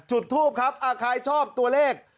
จุดทูปครับใครชอบตัวเลข